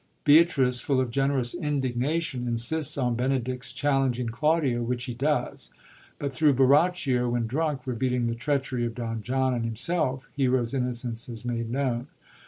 Beatrice, full of generous indignation, insists on Benedick's chal lenging Claudio, which he does; but thru Borachio, when drunk, revealing the treachery of Don John and himself, Hero's innocence is made known.